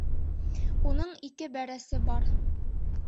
Уның ике бәрәсе бар.